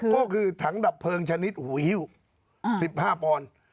ก็คือถังดับเพลิงชนิดหูฮิ้ว๑๕ปอนด์